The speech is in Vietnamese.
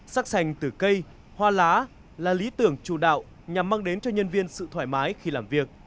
sắc xanh từ cây hoa lá là lý tưởng chủ đạo nhằm mang đến cho nhân viên sự thoải mái khi làm việc